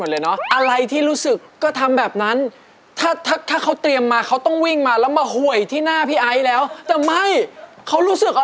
วันหลังทำอย่างนี้ไม่ต้องว่ายรู้ป่ะ